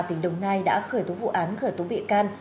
tỉnh đồng nai đã khởi tố vụ án khởi tố bị can